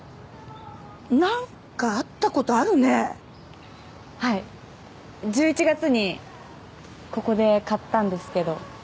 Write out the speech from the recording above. なんか会ったことあるねはい１１月にここで買ったんですけど